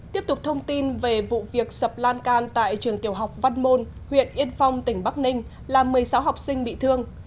tiếp tục thông tin về vụ việc sập lan can tại trường tiểu học văn môn huyện yên phong tỉnh bắc ninh làm một mươi sáu học sinh bị thương